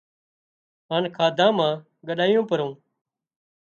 هانَ کاڌا مان ڳڏايو پرو